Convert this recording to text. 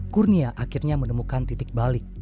kurnia akhirnya menemukan titik balik